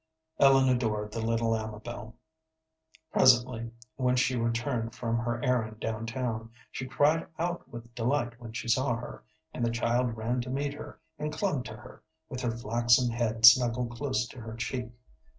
Ellen adored the little Amabel. Presently, when she returned from her errand down town, she cried out with delight when she saw her; and the child ran to meet her, and clung to her, with her flaxen head snuggled close to her cheek.